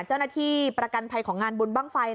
เจ้าหน้าที่ประกันภัยของงานบุญบ้างไฟ